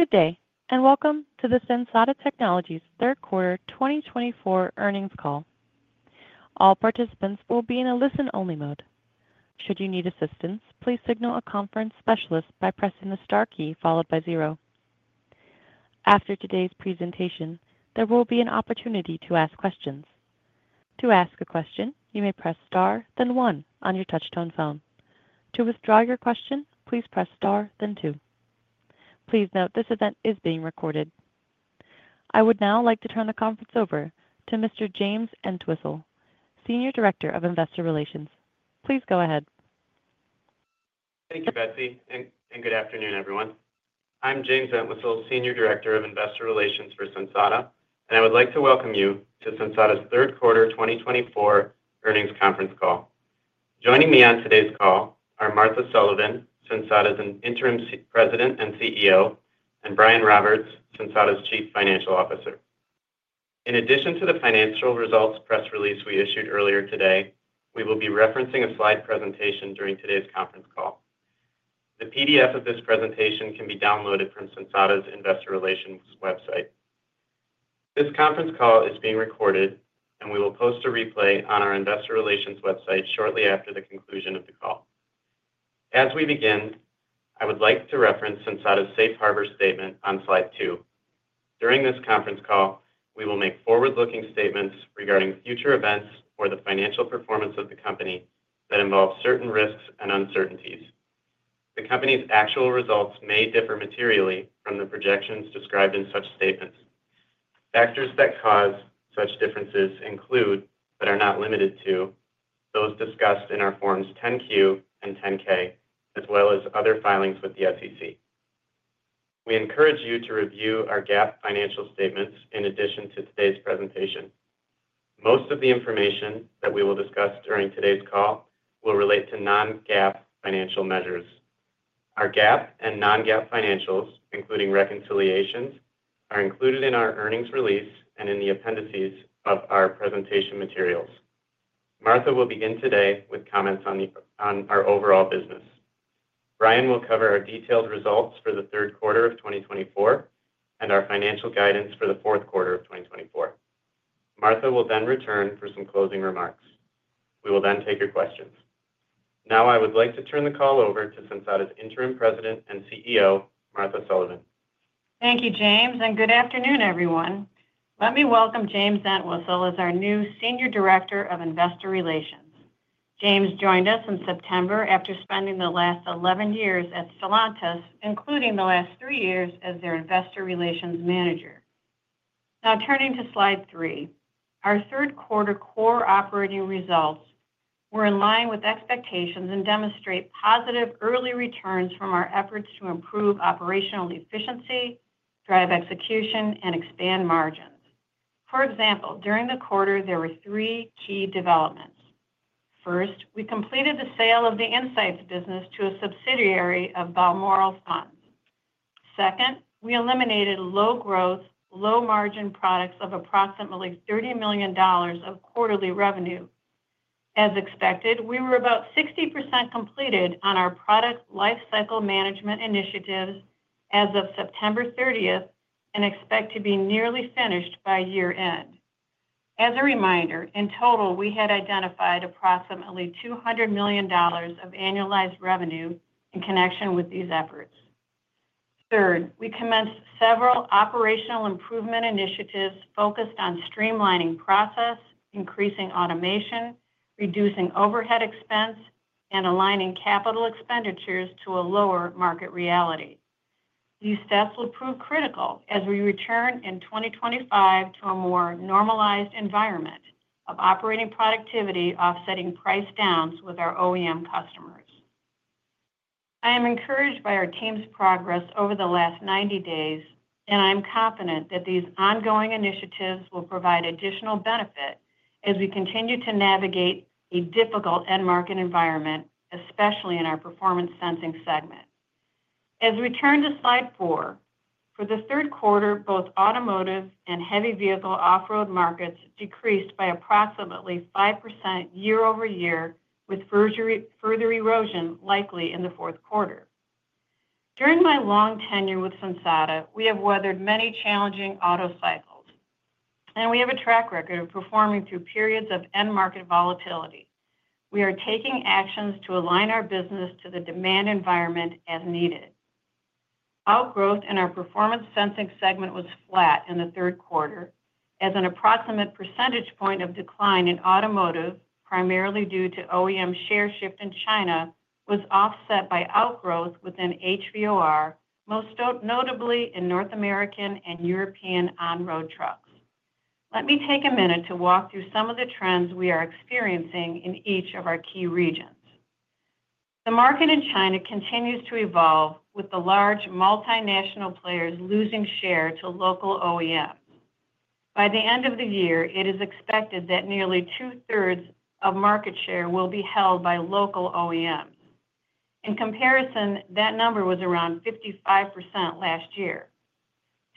Good day, and welcome to the Sensata Technologies third quarter 2024 earnings call. All participants will be in a listen-only mode. Should you need assistance, please signal a conference specialist by pressing the star key followed by zero. After today's presentation, there will be an opportunity to ask questions. To ask a question, you may press star, then one on your touch-tone phone. To withdraw your question, please press star, then two. Please note this event is being recorded. I would now like to turn the conference over to Mr. James Entwistle, Senior Director of Investor Relations. Please go ahead. Thank you, Betsy, and good afternoon, everyone. I'm James Entwistle, Senior Director of Investor Relations for Sensata, and I would like to welcome you to Sensata's third quarter 2024 earnings conference call. Joining me on today's call are Martha Sullivan, Sensata's Interim President and CEO, and Brian Roberts, Sensata's Chief Financial Officer. In addition to the financial results press release we issued earlier today, we will be referencing a slide presentation during today's conference call. The PDF of this presentation can be downloaded from Sensata's investor relations website. This conference call is being recorded, and we will post a replay on our investor relations website shortly after the conclusion of the call. As we begin, I would like to reference Sensata's safe harbor statement on slide two. During this conference call, we will make forward-looking statements regarding future events or the financial performance of the company that involve certain risks and uncertainties. The company's actual results may differ materially from the projections described in such statements. Factors that cause such differences include, but are not limited to, those discussed in our Forms 10-Q and 10-K, as well as other filings with the SEC. We encourage you to review our GAAP financial statements in addition to today's presentation. Most of the information that we will discuss during today's call will relate to non-GAAP financial measures. Our GAAP and non-GAAP financials, including reconciliations, are included in our earnings release and in the appendices of our presentation materials. Martha will begin today with comments on our overall business. Brian will cover our detailed results for the third quarter of 2024 and our financial guidance for the fourth quarter of 2024. Martha will then return for some closing remarks. We will then take your questions. Now, I would like to turn the call over to Sensata's Interim President and CEO, Martha Sullivan. Thank you, James, and good afternoon, everyone. Let me welcome James Entwistle as our new Senior Director of Investor Relations. James joined us in September after spending the last 11 years at Stellantis, including the last three years as their Investor Relations Manager. Now, turning to slide three, our third quarter core operating results were in line with expectations and demonstrate positive early returns from our efforts to improve operational efficiency, drive execution, and expand margins. For example, during the quarter, there were three key developments. First, we completed the sale of the Insights business to a subsidiary of Balmoral Funds. Second, we eliminated low-growth, low-margin products of approximately $30 million of quarterly revenue. As expected, we were about 60% completed on our product lifecycle management initiatives as of September 30th and expect to be nearly finished by year-end. As a reminder, in total, we had identified approximately $200 million of annualized revenue in connection with these efforts. Third, we commenced several operational improvement initiatives focused on streamlining process, increasing automation, reducing overhead expense, and aligning capital expenditures to a lower market reality. These steps will prove critical as we return in 2025 to a more normalized environment of operating productivity offsetting price downs with our OEM customers. I am encouraged by our team's progress over the last 90 days, and I'm confident that these ongoing initiatives will provide additional benefit as we continue to navigate a difficult end market environment, especially in our performance sensing segment. As we turn to slide four, for the third quarter, both automotive and heavy vehicle off-road markets decreased by approximately 5% year-over-year, with further erosion likely in the fourth quarter. During my long tenure with Sensata, we have weathered many challenging auto cycles, and we have a track record of performing through periods of end market volatility. We are taking actions to align our business to the demand environment as needed. Outgrowth in our Performance Sensing segment was flat in the third quarter, as an approximate percentage point of decline in automotive, primarily due to OEM share shift in China, was offset by outgrowth within HVOR, most notably in North American and European on-road trucks. Let me take a minute to walk through some of the trends we are experiencing in each of our key regions. The market in China continues to evolve, with the large multinational players losing share to local OEMs. By the end of the year, it is expected that nearly two-thirds of market share will be held by local OEMs. In comparison, that number was around 55% last year.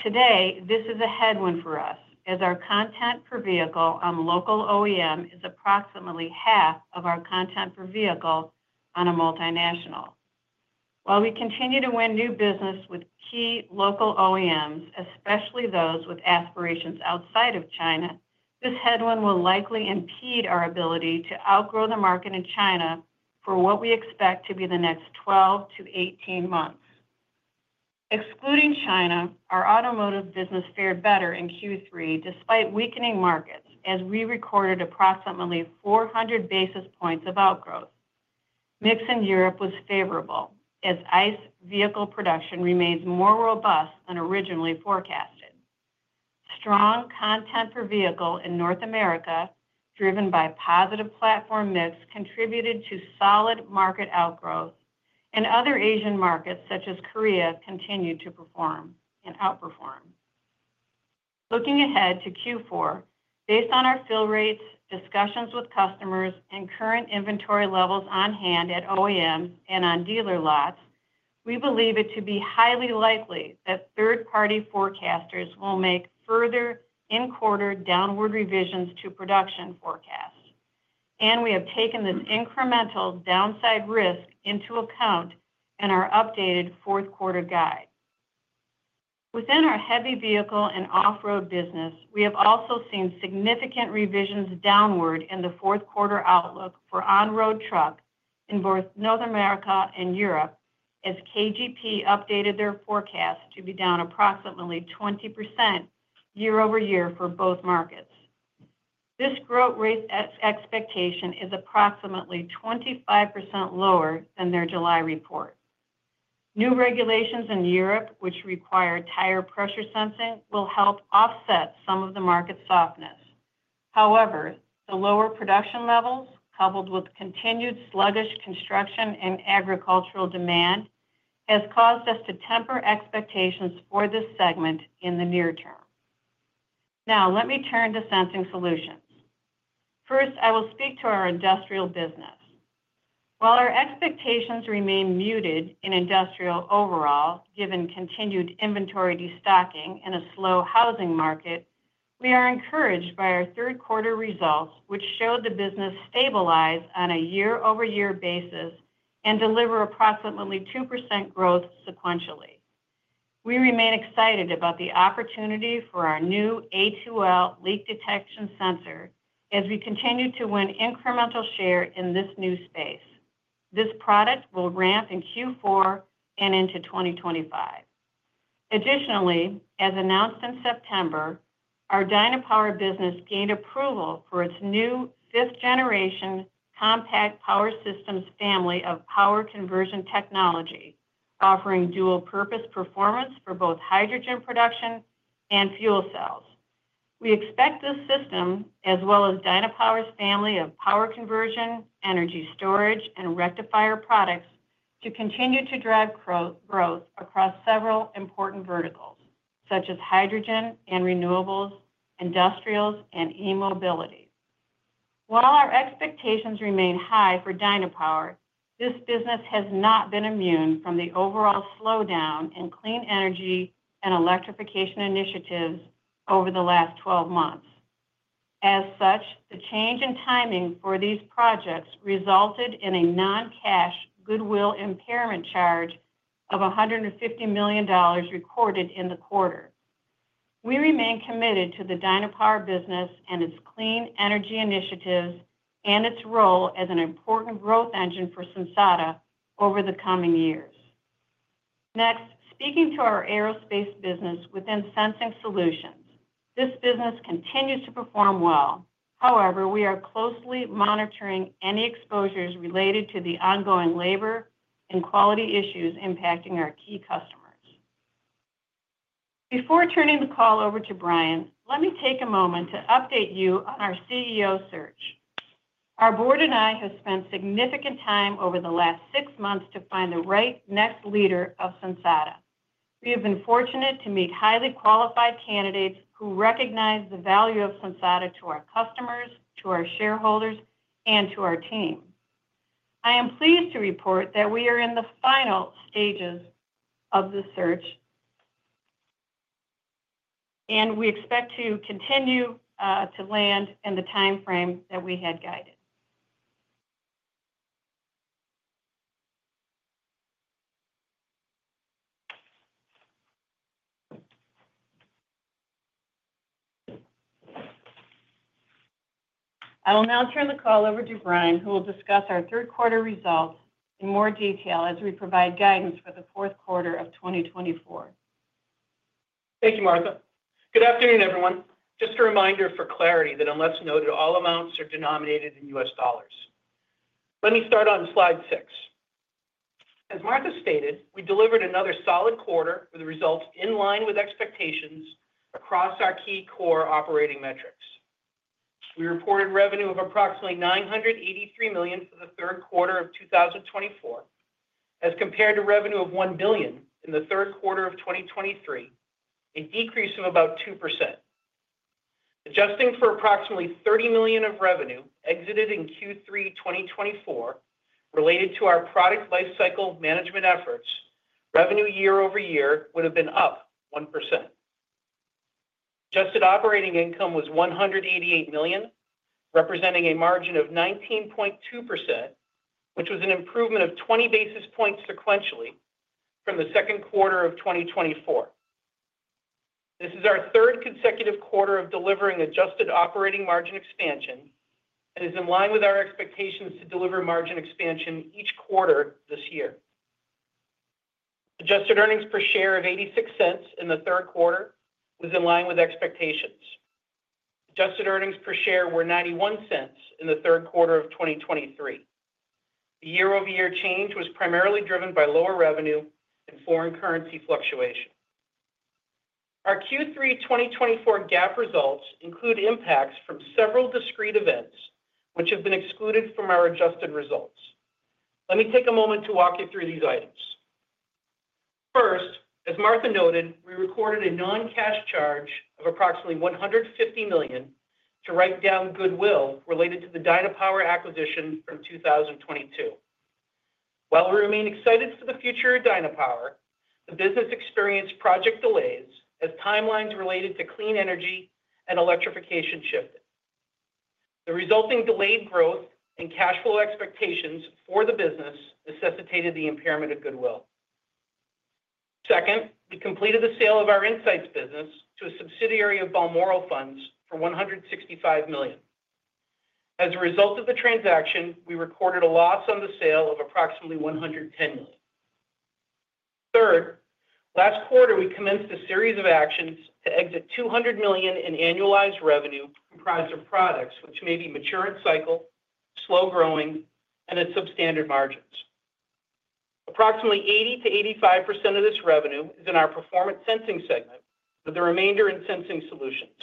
Today, this is a headwind for us, as our content per vehicle on local OEM is approximately half of our content per vehicle on a multinational. While we continue to win new business with key local OEMs, especially those with aspirations outside of China, this headwind will likely impede our ability to outgrow the market in China for what we expect to be the next 12-18 months. Excluding China, our automotive business fared better in Q3 despite weakening markets, as we recorded approximately 400 basis points of outgrowth. Mix in Europe was favorable, as ICE vehicle production remains more robust than originally forecasted. Strong content per vehicle in North America, driven by positive platform mix, contributed to solid market outgrowth, and other Asian markets such as Korea continued to perform and outperform. Looking ahead to Q4, based on our fill rates, discussions with customers, and current inventory levels on hand at OEMs and on dealer lots, we believe it to be highly likely that third-party forecasters will make further in-quarter downward revisions to production forecasts, and we have taken this incremental downside risk into account in our updated fourth quarter guide. Within our heavy vehicle and off-road business, we have also seen significant revisions downward in the fourth quarter outlook for on-road truck in both North America and Europe, as KGP updated their forecast to be down approximately 20% year-over-year for both markets. This growth rate expectation is approximately 25% lower than their July report. New regulations in Europe, which require tire pressure sensing, will help offset some of the market softness. However, the lower production levels, coupled with continued sluggish construction and agricultural demand, have caused us to temper expectations for this segment in the near term. Now, let me turn to sensing solutions. First, I will speak to our industrial business. While our expectations remain muted in industrial overall, given continued inventory destocking and a slow housing market, we are encouraged by our third quarter results, which showed the business stabilize on a year-over-year basis and deliver approximately 2% growth sequentially. We remain excited about the opportunity for our new A2L leak detection sensor, as we continue to win incremental share in this new space. This product will ramp in Q4 and into 2025. Additionally, as announced in September, our Dynapower business gained approval for its new fifth-generation compact power systems family of power conversion technology, offering dual-purpose performance for both hydrogen production and fuel cells. We expect this system, as well as Dynapower's family of power conversion, energy storage, and rectifier products, to continue to drive growth across several important verticals, such as hydrogen and renewables, industrials, and e-mobility. While our expectations remain high for Dynapower, this business has not been immune from the overall slowdown in clean energy and electrification initiatives over the last 12 months. As such, the change in timing for these projects resulted in a non-cash goodwill impairment charge of $150 million recorded in the quarter. We remain committed to the Dynapower business and its clean energy initiatives and its role as an important growth engine for Sensata over the coming years. Next, speaking to our aerospace business within sensing solutions, this business continues to perform well. However, we are closely monitoring any exposures related to the ongoing labor and quality issues impacting our key customers. Before turning the call over to Brian, let me take a moment to update you on our CEO search. Our board and I have spent significant time over the last six months to find the right next leader of Sensata. We have been fortunate to meet highly qualified candidates who recognize the value of Sensata to our customers, to our shareholders, and to our team. I am pleased to report that we are in the final stages of the search, and we expect to continue to land in the timeframe that we had guided. I will now turn the call over to Brian, who will discuss our third quarter results in more detail as we provide guidance for the fourth quarter of 2024. Thank you, Martha. Good afternoon, everyone. Just a reminder for clarity that, unless noted, all amounts are denominated in U.S. dollars. Let me start on slide six. As Martha stated, we delivered another solid quarter with results in line with expectations across our key core operating metrics. We reported revenue of approximately $983 million for the third quarter of 2024, as compared to revenue of $1 billion in the third quarter of 2023, a decrease of about 2%. Adjusting for approximately $30 million of revenue exited in Q3 2024 related to our product lifecycle management efforts, revenue year-over-year would have been up 1%. Adjusted operating income was $188 million, representing a margin of 19.2%, which was an improvement of 20 basis points sequentially from the second quarter of 2024. This is our third consecutive quarter of delivering adjusted operating margin expansion and is in line with our expectations to deliver margin expansion each quarter this year. Adjusted earnings per share of $0.86 in the third quarter was in line with expectations. Adjusted earnings per share were $0.91 in the third quarter of 2023. The year-over-year change was primarily driven by lower revenue and foreign currency fluctuation. Our Q3 2024 GAAP results include impacts from several discrete events, which have been excluded from our adjusted results. Let me take a moment to walk you through these items. First, as Martha noted, we recorded a non-cash charge of approximately $150 million to write down goodwill related to the Dynapower acquisition from 2022. While we remain excited for the future of Dynapower, the business experienced project delays as timelines related to clean energy and electrification shifted. The resulting delayed growth and cash flow expectations for the business necessitated the impairment of goodwill. Second, we completed the sale of our Insights business to a subsidiary of Balmoral Funds for $165 million. As a result of the transaction, we recorded a loss on the sale of approximately $110 million. Third, last quarter, we commenced a series of actions to exit $200 million in annualized revenue comprised of products which may be mature in cycle, slow growing, and at substandard margins. Approximately 80%-85% of this revenue is in our Performance Sensing segment, with the remainder in Sensing Solutions.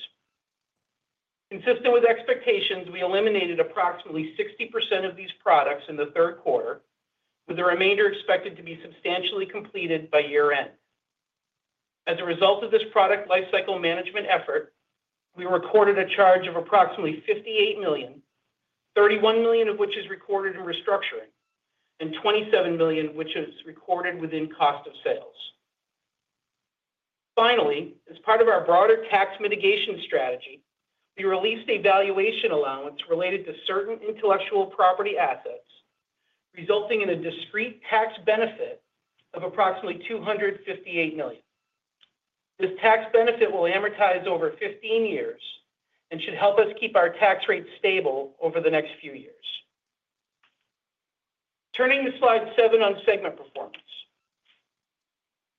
Consistent with expectations, we eliminated approximately 60% of these products in the third quarter, with the remainder expected to be substantially completed by year-end. As a result of this product lifecycle management effort, we recorded a charge of approximately $58 million, $31 million of which is recorded in restructuring, and $27 million of which is recorded within cost of sales. Finally, as part of our broader tax mitigation strategy, we released a valuation allowance related to certain intellectual property assets, resulting in a discrete tax benefit of approximately $258 million. This tax benefit will amortize over 15 years and should help us keep our tax rate stable over the next few years. Turning to slide seven on segment performance,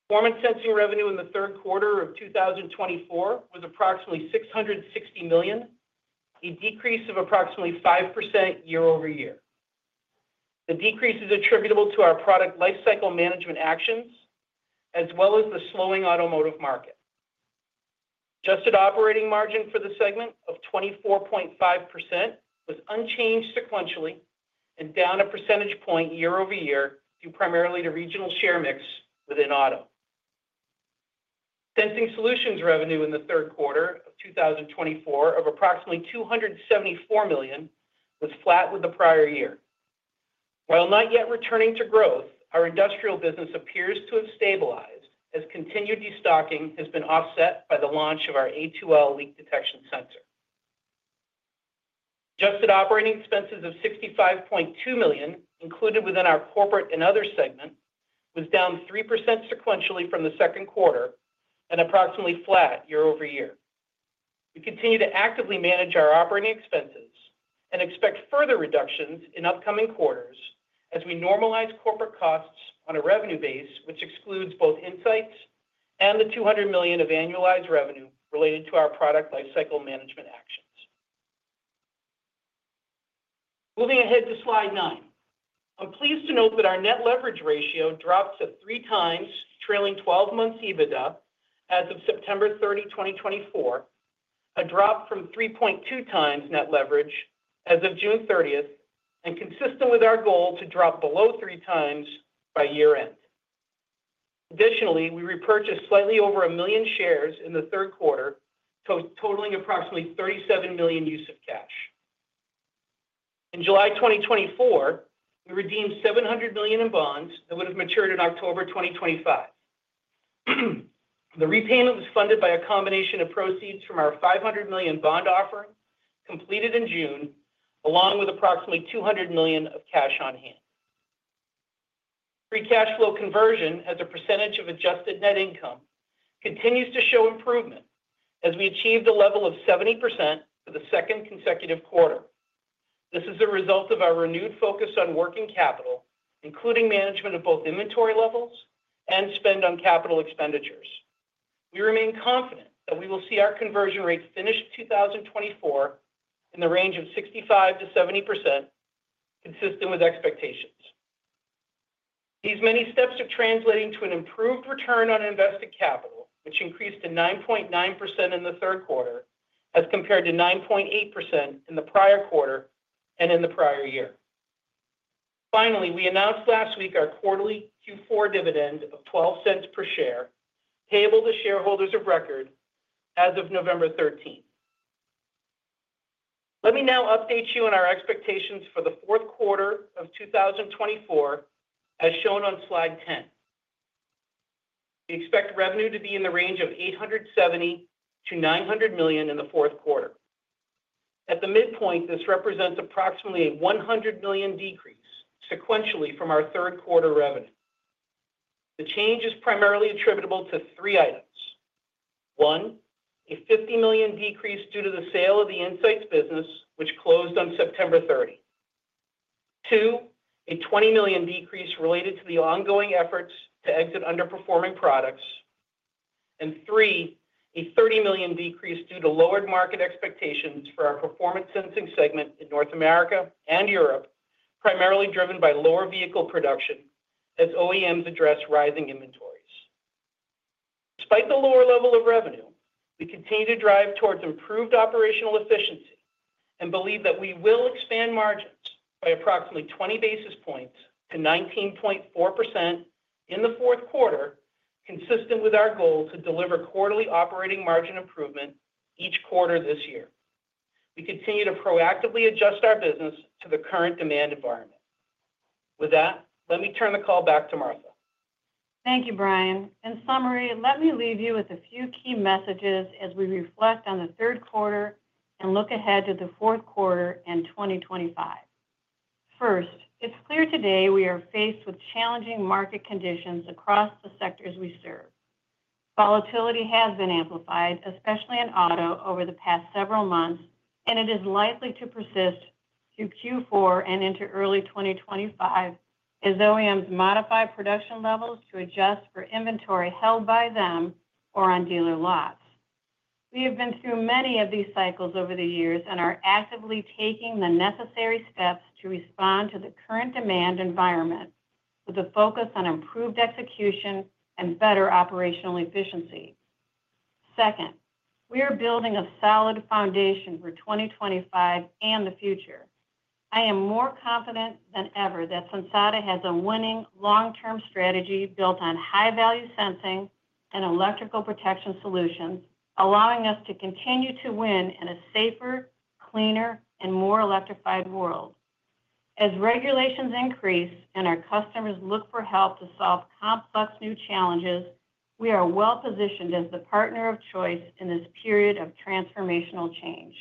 Performance Sensing revenue in the third quarter of 2024 was approximately $660 million, a decrease of approximately 5% year-over-year. The decrease is attributable to our product lifecycle management actions, as well as the slowing automotive market. Adjusted operating margin for the segment of 24.5% was unchanged sequentially and down a percentage point year-over-year due primarily to regional share mix within auto, Sensing solutions revenue in the third quarter of 2024 of approximately $274 million was flat with the prior year. While not yet returning to growth, our industrial business appears to have stabilized as continued destocking has been offset by the launch of our A2L leak detection sensor. Adjusted operating expenses of $65.2 million, included within our corporate and other segment, was down 3% sequentially from the second quarter and approximately flat year-over-year. We continue to actively manage our operating expenses and expect further reductions in upcoming quarters as we normalize corporate costs on a revenue base which excludes both Insights and the $200 million of annualized revenue related to our product lifecycle management actions. Moving ahead to slide nine, I'm pleased to note that our net leverage ratio dropped to three times, trailing 12-month EBITDA as of September 30, 2024, a drop from 3.2 times net leverage as of June 30, and consistent with our goal to drop below three times by year-end. Additionally, we repurchased slightly over a million shares in the third quarter, totaling approximately $37 million use of cash. In July 2024, we redeemed $700 million in bonds that would have matured in October 2025. The repayment was funded by a combination of proceeds from our $500 million bond offering completed in June, along with approximately $200 million of cash on hand. Free cash flow conversion as a percentage of adjusted net income continues to show improvement as we achieve the level of 70% for the second consecutive quarter. This is the result of our renewed focus on working capital, including management of both inventory levels and spend on capital expenditures. We remain confident that we will see our conversion rate finish 2024 in the range of 65%-70%, consistent with expectations. These many steps are translating to an improved return on invested capital, which increased to 9.9% in the third quarter as compared to 9.8% in the prior quarter and in the prior year. Finally, we announced last week our quarterly Q4 dividend of $0.12 per share, payable to shareholders of record as of November 13. Let me now update you on our expectations for the fourth quarter of 2024, as shown on slide 10. We expect revenue to be in the range of $870 million-$900 million in the fourth quarter. At the midpoint, this represents approximately a $100 million decrease sequentially from our third quarter revenue. The change is primarily attributable to three items. One, a $50 million decrease due to the sale of the Insights business, which closed on September 30. Two, a $20 million decrease related to the ongoing efforts to exit underperforming products. And three, a $30 million decrease due to lowered market expectations for our Performance Sensing segment in North America and Europe, primarily driven by lower vehicle production as OEMs address rising inventories. Despite the lower level of revenue, we continue to drive towards improved operational efficiency and believe that we will expand margins by approximately 20 basis points to 19.4% in the fourth quarter, consistent with our goal to deliver quarterly operating margin improvement each quarter this year. We continue to proactively adjust our business to the current demand environment. With that, let me turn the call back to Martha. Thank you, Brian. In summary, let me leave you with a few key messages as we reflect on the third quarter and look ahead to the fourth quarter in 2025. First, it's clear today we are faced with challenging market conditions across the sectors we serve. Volatility has been amplified, especially in auto, over the past several months, and it is likely to persist through Q4 and into early 2025 as OEMs modify production levels to adjust for inventory held by them or on dealer lots. We have been through many of these cycles over the years and are actively taking the necessary steps to respond to the current demand environment with a focus on improved execution and better operational efficiency. Second, we are building a solid foundation for 2025 and the future. I am more confident than ever that Sensata has a winning long-term strategy built on high-value sensing and electrical protection solutions, allowing us to continue to win in a safer, cleaner, and more electrified world. As regulations increase and our customers look for help to solve complex new challenges, we are well-positioned as the partner of choice in this period of transformational change.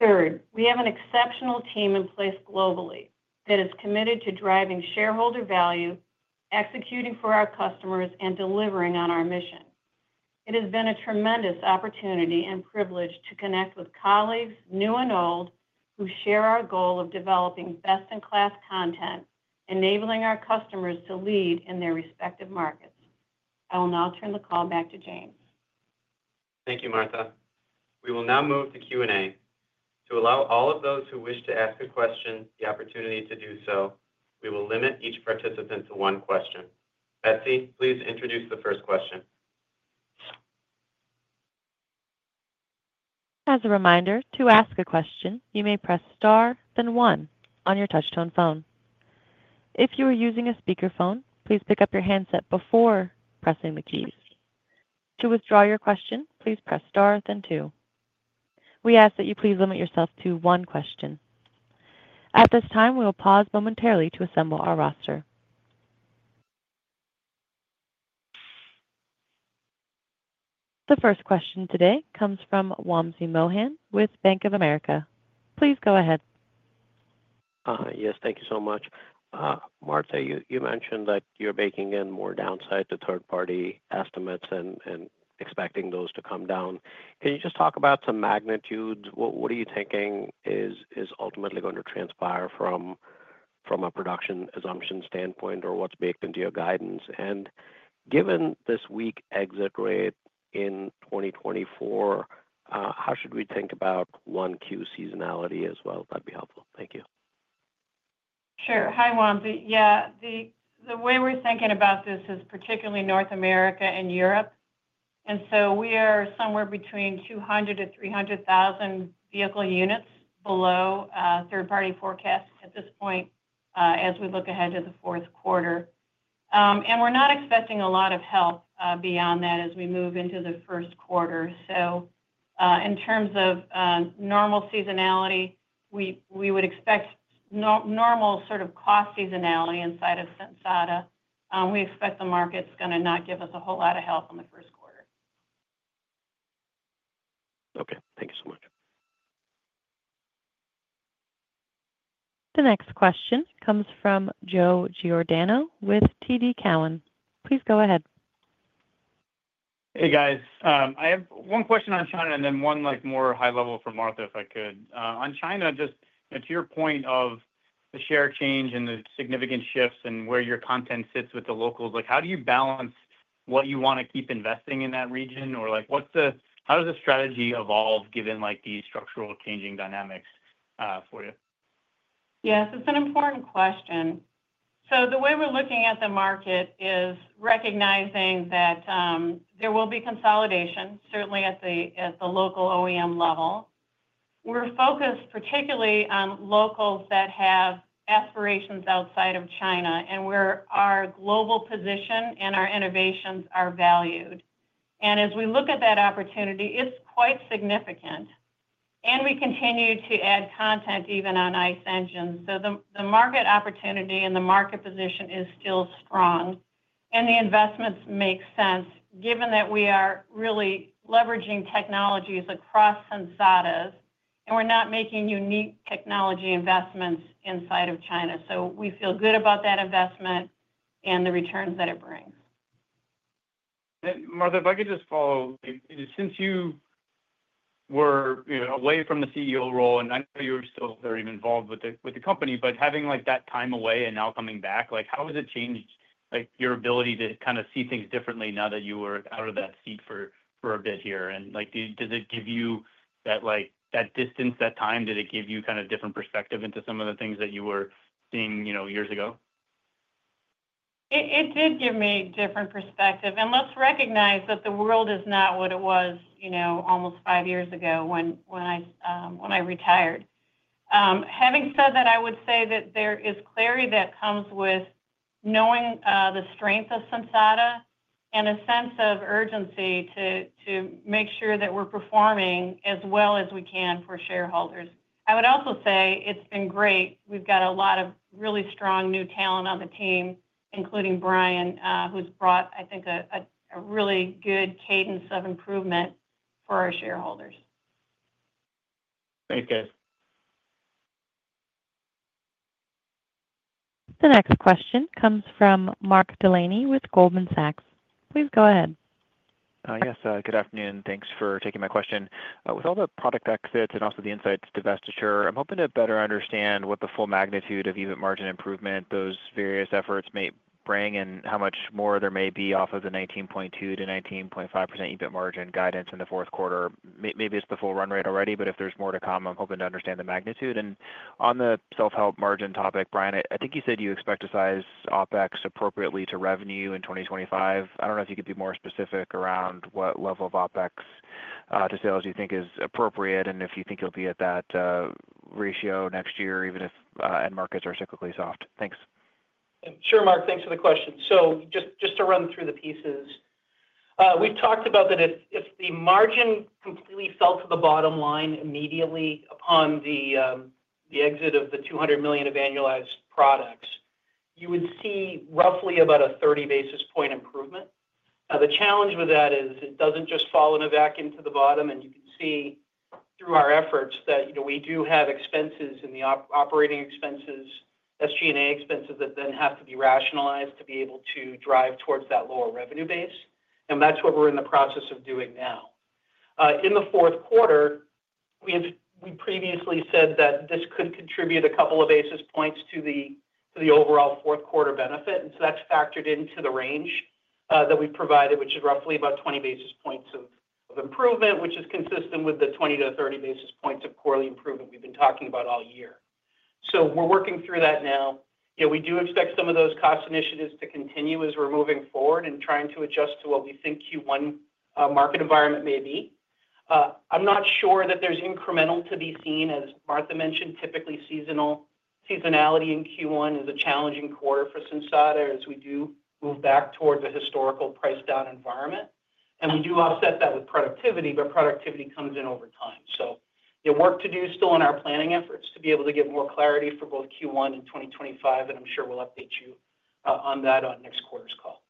Third, we have an exceptional team in place globally that is committed to driving shareholder value, executing for our customers, and delivering on our mission. It has been a tremendous opportunity and privilege to connect with colleagues, new and old, who share our goal of developing best-in-class content, enabling our customers to lead in their respective markets. I will now turn the call back to James. Thank you, Martha. We will now move to Q&A. To allow all of those who wish to ask a question the opportunity to do so, we will limit each participant to one question. Betsy, please introduce the first question. As a reminder, to ask a question, you may press star, then one on your touch-tone phone. If you are using a speakerphone, please pick up your handset before pressing the keys. To withdraw your question, please press star, then two. We ask that you please limit yourself to one question. At this time, we will pause momentarily to assemble our roster. The first question today comes from Wamsi Mohan with Bank of America. Please go ahead. Yes, thank you so much. Martha, you mentioned that you're baking in more downside to third-party estimates and expecting those to come down. Can you just talk about some magnitudes? What are you thinking is ultimately going to transpire from a production assumption standpoint or what's baked into your guidance? And given this weak exit rate in 2024, how should we think about Q1 seasonality as well? That'd be helpful. Thank you. Sure. Hi, Wamsi. Yeah, the way we're thinking about this is particularly North America and Europe, and so we are somewhere between 200,000-300,000 vehicle units below third-party forecasts at this point as we look ahead to the fourth quarter, and we're not expecting a lot of help beyond that as we move into the first quarter, so in terms of normal seasonality, we would expect normal sort of cost seasonality inside of Sensata. We expect the market's going to not give us a whole lot of help in the first quarter. Okay. Thank you so much. The next question comes from Joe Giordano with TD Cowen. Please go ahead. Hey, guys. I have one question on China and then one more high level for Martha, if I could. On China, just to your point of the share change and the significant shifts and where your content sits with the locals, how do you balance what you want to keep investing in that region? Or how does the strategy evolve given these structural changing dynamics for you? Yes, it's an important question. So the way we're looking at the market is recognizing that there will be consolidation, certainly at the local OEM level. We're focused particularly on locals that have aspirations outside of China and where our global position and our innovations are valued. And as we look at that opportunity, it's quite significant. And we continue to add content even on ICE engines. So the market opportunity and the market position is still strong. And the investments make sense, given that we are really leveraging technologies across Sensata's, and we're not making unique technology investments inside of China. So we feel good about that investment and the returns that it brings. Martha, if I could just follow, since you were away from the CEO role, and I know you're still very involved with the company, but having that time away and now coming back, how has it changed your ability to kind of see things differently now that you were out of that seat for a bit here? And does it give you that distance, that time? Did it give you kind of a different perspective into some of the things that you were seeing years ago? It did give me a different perspective, and let's recognize that the world is not what it was almost five years ago when I retired. Having said that, I would say that there is clarity that comes with knowing the strength of Sensata and a sense of urgency to make sure that we're performing as well as we can for shareholders. I would also say it's been great. We've got a lot of really strong new talent on the team, including Brian, who's brought, I think, a really good cadence of improvement for our shareholders. Thank you. The next question comes from Mark Delaney with Goldman Sachs. Please go ahead. Yes, good afternoon. Thanks for taking my question. With all the product exits and also the Insights divestiture, I'm hoping to better understand what the full magnitude of EBIT margin improvement, those various efforts may bring, and how much more there may be off of the 19.2%-19.5% EBIT margin guidance in the fourth quarter. Maybe it's the full run rate already, but if there's more to come, I'm hoping to understand the magnitude. And on the self-help margin topic, Brian, I think you said you expect to size OpEx appropriately to revenue in 2025. I don't know if you could be more specific around what level of OpEx to sales you think is appropriate and if you think you'll be at that ratio next year, even if end markets are typically soft. Thanks. Sure, Mark. Thanks for the question. So just to run through the pieces, we've talked about that if the margin completely fell to the bottom line immediately upon the exit of the $200 million of annualized products, you would see roughly about a 30 basis point improvement. Now, the challenge with that is it doesn't just fall in a vacuum to the bottom. And you can see through our efforts that we do have expenses in the operating expenses, SG&A expenses that then have to be rationalized to be able to drive towards that lower revenue base. And that's what we're in the process of doing now. In the fourth quarter, we previously said that this could contribute a couple of basis points to the overall fourth quarter benefit. And so that's factored into the range that we've provided, which is roughly about 20 basis points of improvement, which is consistent with the 20 to 30 basis points of quarterly improvement we've been talking about all year. So we're working through that now. We do expect some of those cost initiatives to continue as we're moving forward and trying to adjust to what we think Q1 market environment may be. I'm not sure that there's incremental to be seen, as Martha mentioned. Typically seasonality in Q1 is a challenging quarter for Sensata as we do move back towards a historical price-down environment. And we do offset that with productivity, but productivity comes in over time. So there's work to do still in our planning efforts to be able to get more clarity for both Q1 and 2025. And I'm sure we'll update you on that on next quarter's call.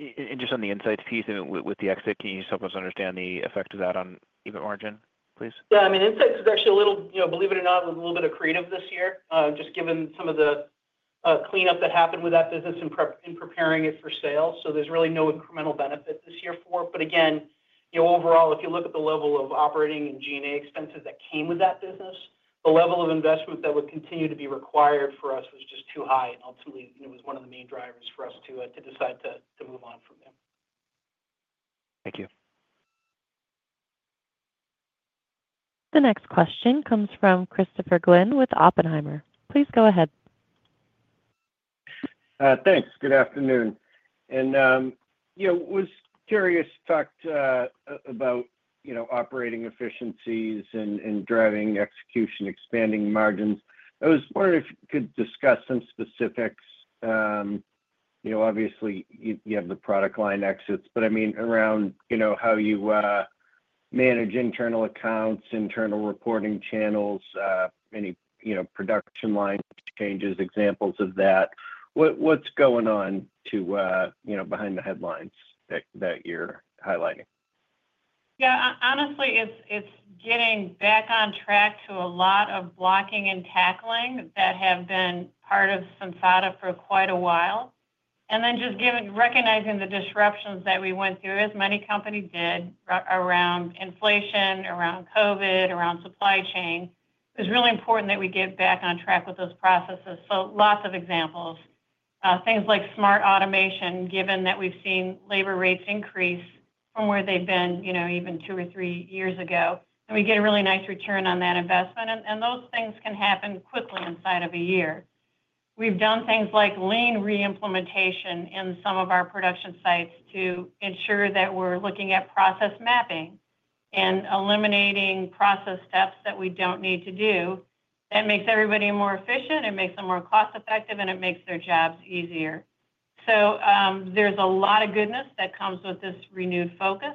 Just on the Insights piece, with the exit, can you help us understand the effect of that on EBIT margin, please? Yeah. I mean, Insights is actually a little, believe it or not, a little bit accretive this year, just given some of the cleanup that happened with that business in preparing it for sales. So there's really no incremental benefit this year for it. But again, overall, if you look at the level of operating and G&A expenses that came with that business, the level of investment that would continue to be required for us was just too high. And ultimately, it was one of the main drivers for us to decide to move on from there. Thank you. The next question comes from Christopher Glynn with Oppenheimer. Please go ahead. Thanks. Good afternoon, and I was curious to talk about operating efficiencies and driving execution, expanding margins. I was wondering if you could discuss some specifics. Obviously, you have the product line exits, but I mean, around how you manage internal accounts, internal reporting channels, any production line changes, examples of that. What's going on behind the headlines that you're highlighting? Yeah. Honestly, it's getting back on track to a lot of blocking and tackling that have been part of Sensata for quite a while. And then just recognizing the disruptions that we went through, as many companies did around inflation, around COVID, around supply chain, it was really important that we get back on track with those processes. So lots of examples, things like smart automation, given that we've seen labor rates increase from where they've been even two or three years ago. And we get a really nice return on that investment. And those things can happen quickly inside of a year. We've done things like lean reimplementation in some of our production sites to ensure that we're looking at process mapping and eliminating process steps that we don't need to do. That makes everybody more efficient. It makes them more cost-effective, and it makes their jobs easier. So there's a lot of goodness that comes with this renewed focus.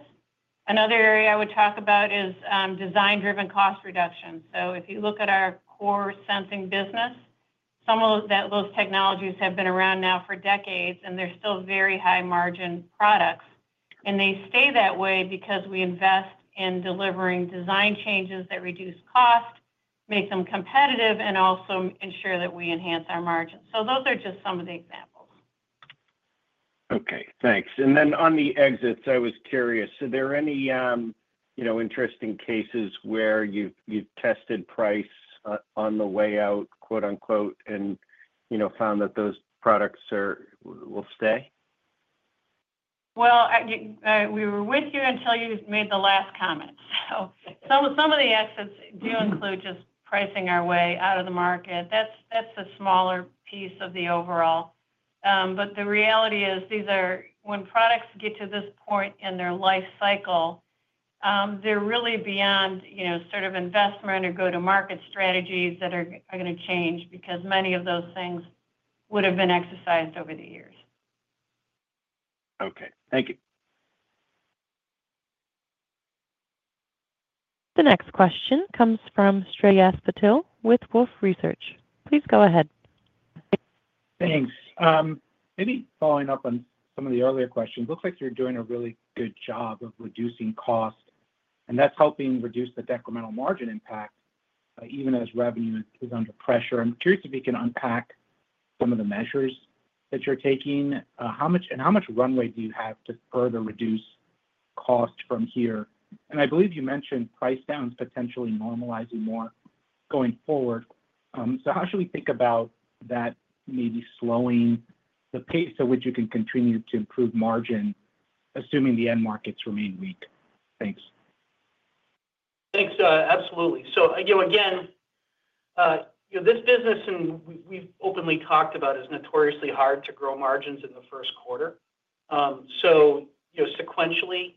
Another area I would talk about is design-driven cost reduction. So if you look at our core sensing business, some of those technologies have been around now for decades, and they're still very high-margin products. And they stay that way because we invest in delivering design changes that reduce cost, make them competitive, and also ensure that we enhance our margins. So those are just some of the examples. Okay. Thanks. And then on the exits, I was curious, are there any interesting cases where you've tested price on the way out, quote-unquote, and found that those products will stay? We were with you until you made the last comment. Some of the exits do include just pricing our way out of the market. That's the smaller piece of the overall. The reality is, when products get to this point in their life cycle, they're really beyond sort of investment or go-to-market strategies that are going to change because many of those things would have been exercised over the years. Okay. Thank you. The next question comes from Shreyas Patil with Wolfe Research. Please go ahead. Thanks. Maybe following up on some of the earlier questions, it looks like you're doing a really good job of reducing cost, and that's helping reduce the decremental margin impact even as revenue is under pressure. I'm curious if you can unpack some of the measures that you're taking. And how much runway do you have to further reduce cost from here? And I believe you mentioned price downs, potentially normalizing more going forward. So how should we think about that maybe slowing the pace at which you can continue to improve margin, assuming the end markets remain weak? Thanks. Thanks. Absolutely. So again, this business, and we've openly talked about, is notoriously hard to grow margins in the first quarter. So sequentially,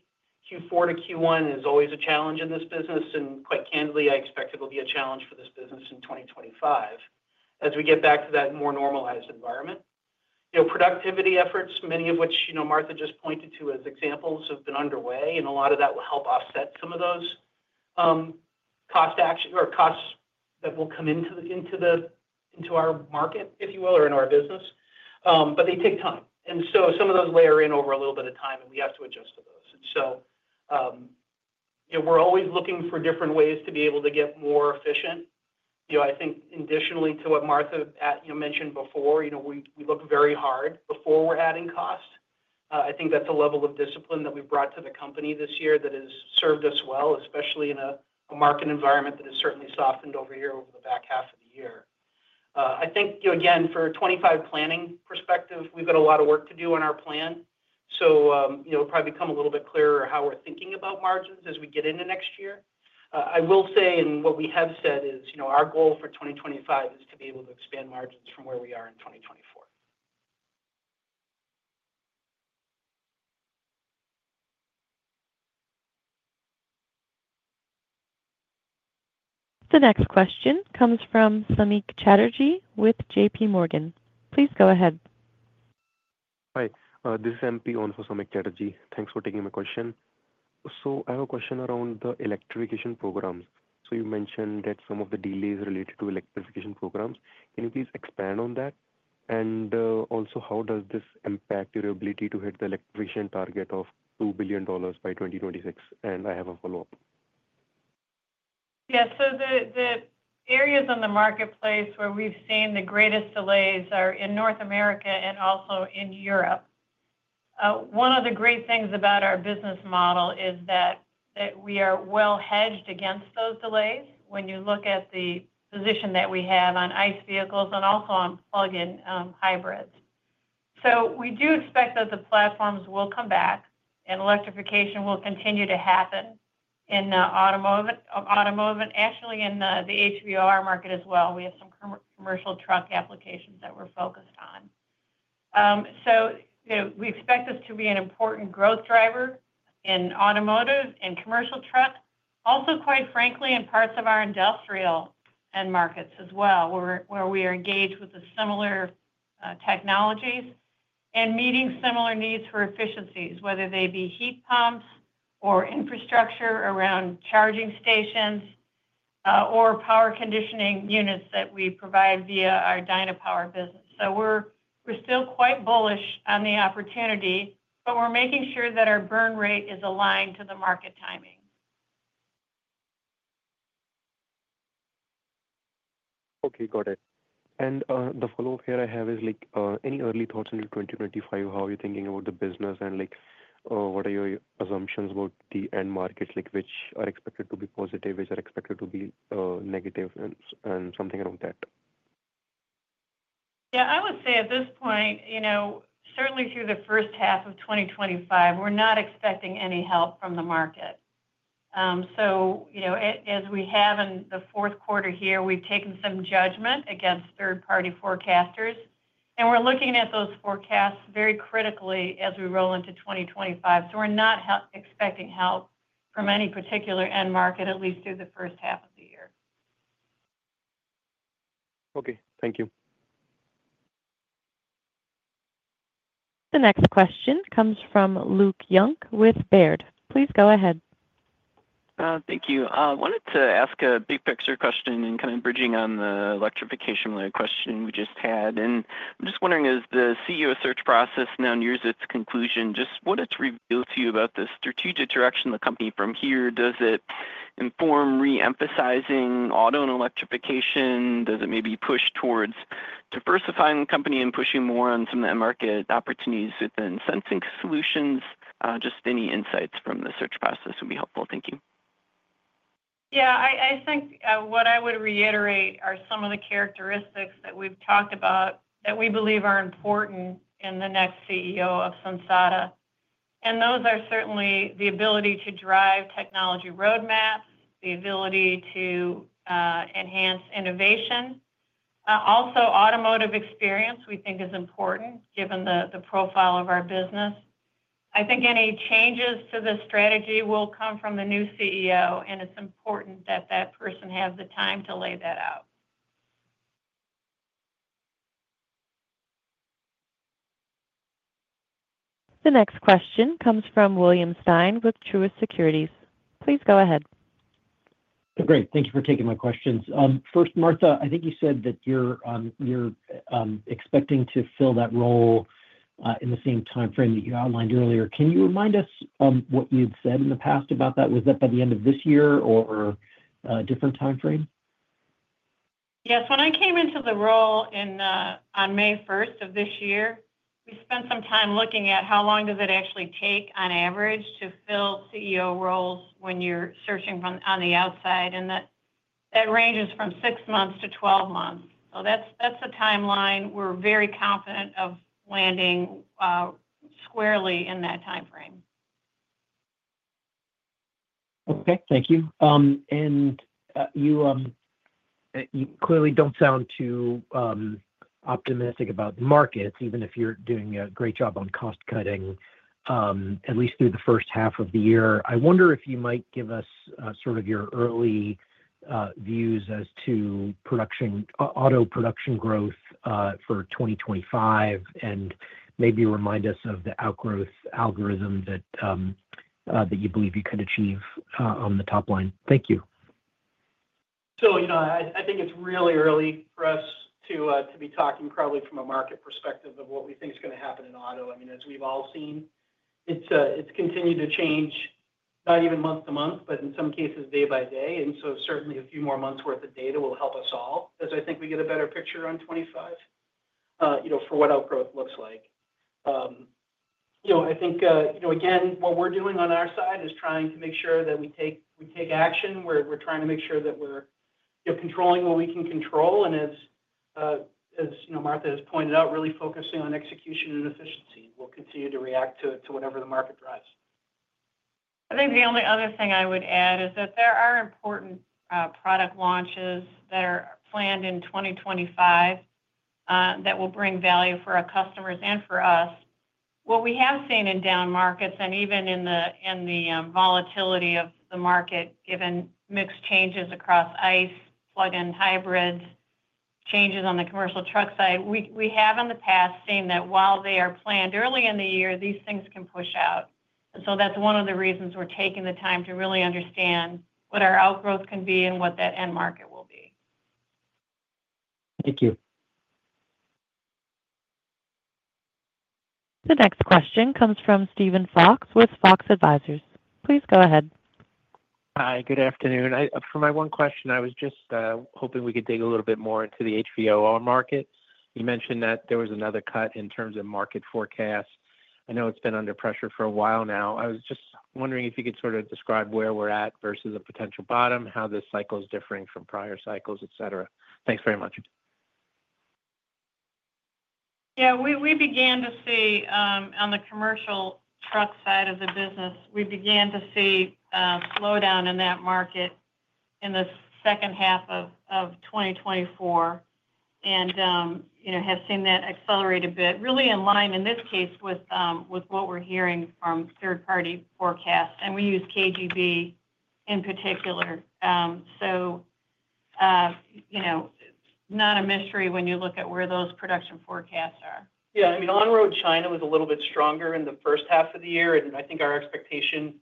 Q4 to Q1 is always a challenge in this business. And quite candidly, I expect it will be a challenge for this business in 2025 as we get back to that more normalized environment. Productivity efforts, many of which Martha just pointed to as examples, have been underway. And a lot of that will help offset some of those costs that will come into our market, if you will, or in our business. But they take time. And so some of those layer in over a little bit of time, and we have to adjust to those. And so we're always looking for different ways to be able to get more efficient. I think, additionally to what Martha mentioned before, we look very hard before we're adding cost. I think that's a level of discipline that we've brought to the company this year that has served us well, especially in a market environment that has certainly softened over here over the back half of the year. I think, again, for a 2025 planning perspective, we've got a lot of work to do on our plan. So it'll probably become a little bit clearer how we're thinking about margins as we get into next year. I will say, and what we have said is our goal for 2025 is to be able to expand margins from where we are in 2024. The next question comes from Samik Chatterjee with J.P. Morgan. Please go ahead. Hi. This is MP Owen for Samik Chatterjee. Thanks for taking my question. So I have a question around the electrification programs. So you mentioned that some of the delays related to electrification programs. Can you please expand on that? And also, how does this impact your ability to hit the electrification target of $2 billion by 2026? And I have a follow-up. Yeah. So the areas in the marketplace where we've seen the greatest delays are in North America and also in Europe. One of the great things about our business model is that we are well hedged against those delays when you look at the position that we have on ICE vehicles and also on plug-in hybrids. So we do expect that the platforms will come back, and electrification will continue to happen in automotive, and actually in the HVOR market as well. We have some commercial truck applications that we're focused on. So we expect this to be an important growth driver in automotive and commercial trucks. Also, quite frankly, in parts of our industrial end markets as well, where we are engaged with similar technologies and meeting similar needs for efficiencies, whether they be heat pumps or infrastructure around charging stations or power conditioning units that we provide via our Dynapower business. So we're still quite bullish on the opportunity, but we're making sure that our burn rate is aligned to the market timing. Okay. Got it. And the follow-up here I have is any early thoughts into 2025? How are you thinking about the business? And what are your assumptions about the end markets? Which are expected to be positive? Which are expected to be negative? And something around that. Yeah. I would say at this point, certainly through the first half of 2025, we're not expecting any help from the market. So as we have in the fourth quarter here, we've taken some judgment against third-party forecasters. And we're looking at those forecasts very critically as we roll into 2025. So we're not expecting help from any particular end market, at least through the first half of the year. Okay. Thank you. The next question comes from Luke Junk with Baird. Please go ahead. Thank you. I wanted to ask a big-picture question and kind of bridging on the electrification-related question we just had, and I'm just wondering, as the CEO search process now nears its conclusion, just what does it reveal to you about the strategic direction of the company from here? Does it inform re-emphasizing auto and electrification? Does it maybe push towards diversifying the company and pushing more on some of the end market opportunities within sensing solutions? Just any insights from the search process would be helpful. Thank you. Yeah. I think what I would reiterate are some of the characteristics that we've talked about that we believe are important in the next CEO of Sensata, and those are certainly the ability to drive technology roadmaps, the ability to enhance innovation. Also, automotive experience, we think, is important given the profile of our business. I think any changes to the strategy will come from the new CEO, and it's important that that person have the time to lay that out. The next question comes from William Stein with Truist Securities. Please go ahead. Great. Thank you for taking my questions. First, Martha, I think you said that you're expecting to fill that role in the same timeframe that you outlined earlier. Can you remind us what you'd said in the past about that? Was that by the end of this year or a different timeframe? Yes. When I came into the role on May 1st of this year, we spent some time looking at how long does it actually take on average to fill CEO roles when you're searching on the outside. And that ranges from six months to 12 months. So that's a timeline we're very confident of landing squarely in that timeframe. Okay. Thank you. And you clearly don't sound too optimistic about the markets, even if you're doing a great job on cost-cutting, at least through the first half of the year. I wonder if you might give us sort of your early views as to auto production growth for 2025 and maybe remind us of the outgrowth algorithm that you believe you could achieve on the top line? Thank you. So I think it's really early for us to be talking probably from a market perspective of what we think is going to happen in auto. I mean, as we've all seen, it's continued to change, not even month to month, but in some cases, day by day. And so certainly, a few more months' worth of data will help us all as I think we get a better picture on 2025 for what outgrowth looks like. I think, again, what we're doing on our side is trying to make sure that we take action. We're trying to make sure that we're controlling what we can control and, as Martha has pointed out, really focusing on execution and efficiency. We'll continue to react to whatever the market drives. I think the only other thing I would add is that there are important product launches that are planned in 2025 that will bring value for our customers and for us. What we have seen in down markets and even in the volatility of the market, given mixed changes across ICE, plug-in hybrids, changes on the commercial truck side, we have in the past seen that while they are planned early in the year, these things can push out. And so that's one of the reasons we're taking the time to really understand what our outgrowth can be and what that end market will be. Thank you. The next question comes from Steven Fox with Fox Advisors. Please go ahead. Hi. Good afternoon. For my one question, I was just hoping we could dig a little bit more into the HVOR market. You mentioned that there was another cut in terms of market forecasts. I know it's been under pressure for a while now. I was just wondering if you could sort of describe where we're at versus a potential bottom, how this cycle is differing from prior cycles, etc.? Thanks very much. Yeah. We began to see on the commercial truck side of the business, we began to see a slowdown in that market in the second half of 2024 and have seen that accelerate a bit, really in line in this case with what we're hearing from third-party forecasts, and we use KGP in particular, so it's not a mystery when you look at where those production forecasts are. Yeah. I mean, on-road China was a little bit stronger in the first half of the year. And I think our expectation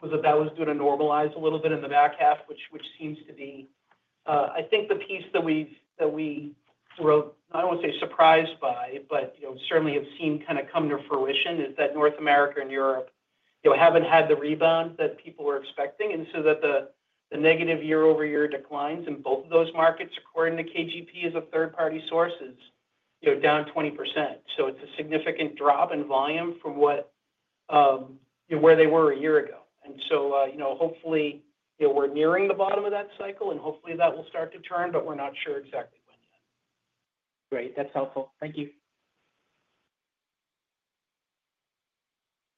was that that was going to normalize a little bit in the back half, which seems to be, I think, the piece that we were. I don't want to say surprised by, but certainly have seen kind of come to fruition. Is that North America and Europe haven't had the rebound that people were expecting. And so the negative year-over-year declines in both of those markets, according to KGP as a third-party source, is down 20%. So it's a significant drop in volume from where they were a year ago. And so hopefully, we're nearing the bottom of that cycle, and hopefully, that will start to turn, but we're not sure exactly when yet. Great. That's helpful. Thank you.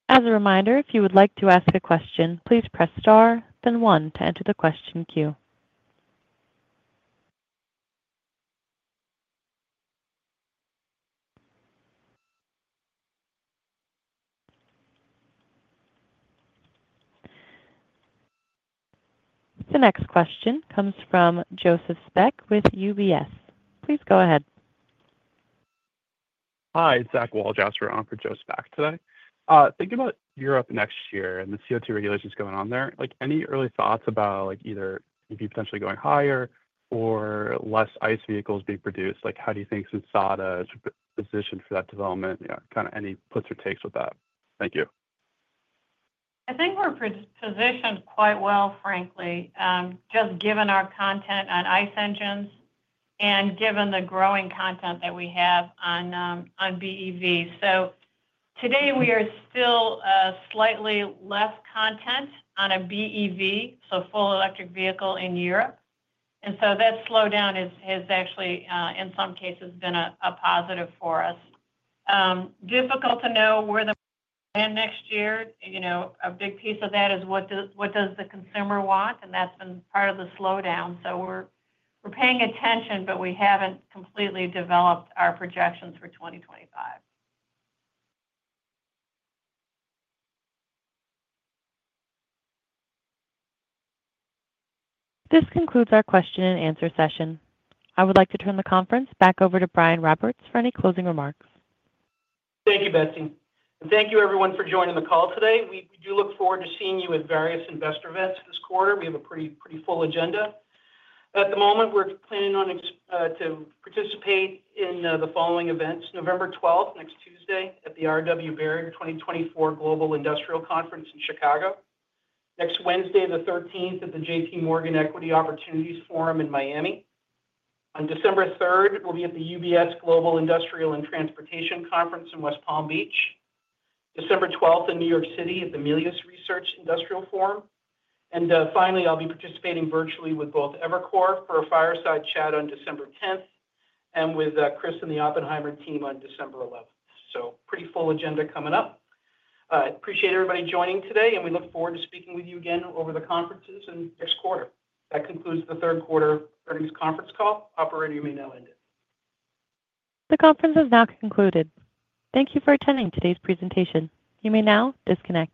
As a reminder, if you would like to ask a question, please press star, then one to enter the question queue. The next question comes from Joseph Spak with UBS. Please go ahead. Hi. It's Zach Waldhauser on for Joseph Spak today. Thinking about Europe next year and the CO2 regulations going on there, any early thoughts about either maybe potentially going higher or less ICE vehicles being produced? How do you think Sensata is positioned for that development? Kind of any puts or takes with that? Thank you. I think we're positioned quite well, frankly, just given our content on ICE engines and given the growing content that we have on BEVs, so today, we are still slightly less content on a BEV, so full electric vehicle, in Europe, and so that slowdown has actually, in some cases, been a positive for us. Difficult to know where the next year. A big piece of that is what does the consumer want, and that's been part of the slowdown, so we're paying attention, but we haven't completely developed our projections for 2025. This concludes our question-and-answer session. I would like to turn the conference back over to Brian Roberts for any closing remarks. Thank you, Betsy, and thank you, everyone, for joining the call today. We do look forward to seeing you at various investor events this quarter. We have a pretty full agenda. At the moment, we're planning to participate in the following events: November 12th, next Tuesday, at the R.W. Baird 2024 Global Industrial Conference in Chicago, next Wednesday, the 13th, at the J.P. Morgan Equity Opportunities Forum in Miami, on December 3rd, we'll be at the UBS Global Industrial and Transportation Conference in West Palm Beach, December 12th, in New York City, at the Melius Research Industrial Forum, and finally, I'll be participating virtually with both Evercore for a fireside chat on December 10th and with Chris and the Oppenheimer team on December 11th, so pretty full agenda coming up. I appreciate everybody joining today, and we look forward to speaking with you again over the conferences in the next quarter. That concludes the third quarter earnings conference call. Operator, you may now end it. The conference is now concluded. Thank you for attending today's presentation. You may now disconnect.